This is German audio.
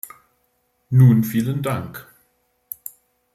Nun vielen Dank.